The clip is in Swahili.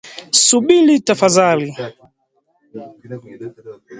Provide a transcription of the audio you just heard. Subiri tafadhali